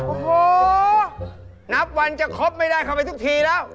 โอ้โหนับวันจะครบไม่ได้เข้าไปทุกทีแล้ว